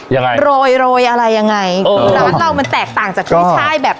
ยังไงโรยโรยอะไรยังไงคือร้านเรามันแตกต่างจากกุ้ยช่ายแบบ